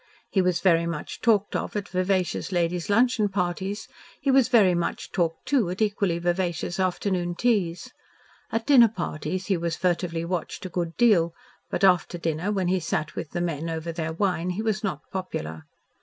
He was very much talked of at vivacious ladies' luncheon parties, he was very much talked to at equally vivacious afternoon teas. At dinner parties he was furtively watched a good deal, but after dinner when he sat with the men over their wine, he was not popular.